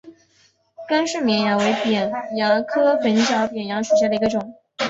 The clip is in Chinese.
甘蔗绵蚜为扁蚜科粉角扁蚜属下的一个种。